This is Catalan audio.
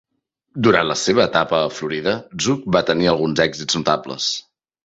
Durant la seva etapa a Florida, Zook va tenir alguns èxits notables.